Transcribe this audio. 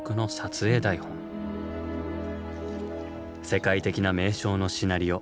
世界的な名匠のシナリオ